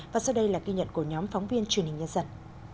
và sau đây là ghi nhận của nhóm phóng viên truyền hình nhân dân